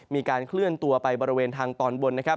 มีการเคลื่อนตัวไปบริเวณทางตอนบนนะครับ